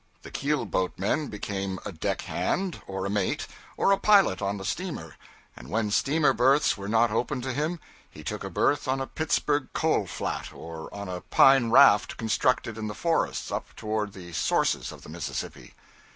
The keelboatman became a deck hand, or a mate, or a pilot on the steamer; and when steamer berths were not open to him, he took a berth on a Pittsburgh coal flat, or on a pine raft constructed in the forests up toward the sources of the Mississippi.